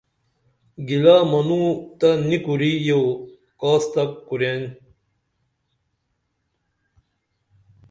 گِلا منو تہ نی کُری یو کاس تہ کُرین